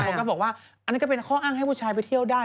ก็บอกว่าอันนั้นก็เป็นข้ออ้างให้ผู้ชายไปเที่ยวได้